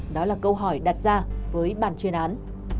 đó là câu hỏi đặt ra với bàn chuyên án